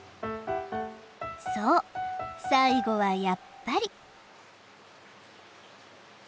そう最後はやっぱり。